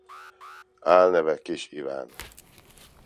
Álneve Kiss Iván.